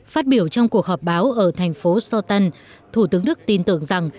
phát biểu trong cuộc họp báo ở thành phố soton thủ tướng đức tin tưởng rằng